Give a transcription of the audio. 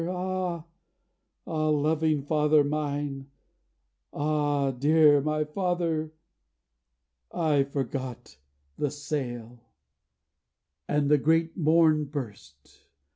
ah, ah, loving father mine, Ah, dear my father!... I forgot the sail.' And the great morn burst.